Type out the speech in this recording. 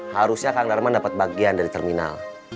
harusnya kang darman dapat bagian dari terminal